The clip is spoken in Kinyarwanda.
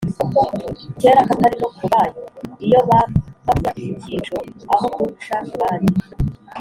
kera Katari no kubaho Iyo bampamya icyico Aho kunca mu bandi